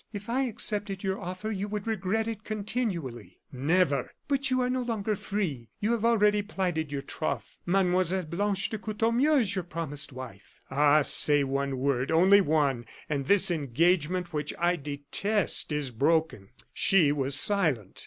"If I accepted your offer, you would regret it continually." "Never!" "But you are no longer free. You have already plighted your troth. Mademoiselle Blanche de Courtornieu is your promised wife." "Ah! say one word only one and this engagement, which I detest, is broken." She was silent.